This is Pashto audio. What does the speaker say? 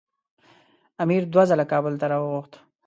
امیر دوه ځله کابل ته راوغوښت.